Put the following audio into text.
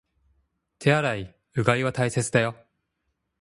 手洗い、うがいは大切だよ